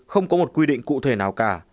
không có một quy định cụ thể nào cả